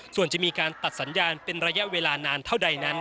ส่วนจะมีการตัดสัญญาณเป็นระยะเวลานานเท่าใดนั้น